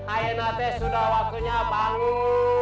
ayernate sudah waktunya bangun